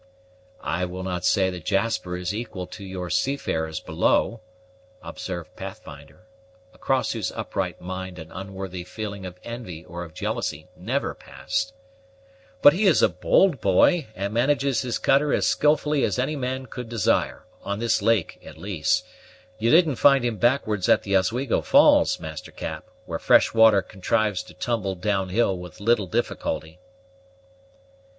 "I will not say that Jasper is equal to your seafarers below," observed Pathfinder, across whose upright mind an unworthy feeling of envy or of jealousy never passed; "but he is a bold boy, and manages his cutter as skillfully as any man can desire, on this lake at least. You didn't find him backwards at the Oswego Falls, Master Cap, where fresh water contrives to tumble down hill with little difficulty."